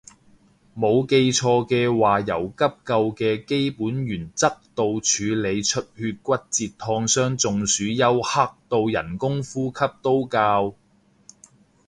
冇記錯嘅話由急救嘅基本原則到處理出血骨折燙傷中暑休克到人工呼吸都教